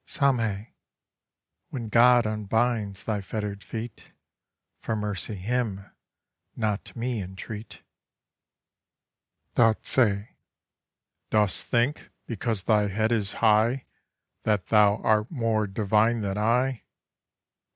SAMHÉ: 'When God unbinds thy fetter'd feet, For mercy him, not me, entreat.' DARZÉ: 'Dost think, because thy head is high, That thou art more divine than I?